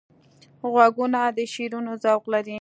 غوږونه د شعرونو ذوق لري